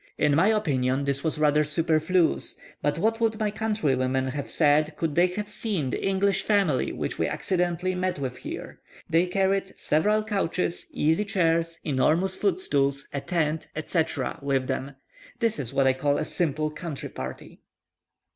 In my opinion, this was rather superfluous; but what would my countrywomen have said could they have seen the English family which we accidentally met with here; they carried several couches, easy chairs, enormous foot stools, a tent, etc., with them. That is what I call a simple country party!